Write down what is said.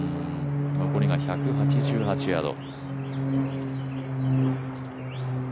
残りが１８８ヤード。